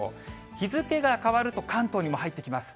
日付が変わると関東にも入ってきます。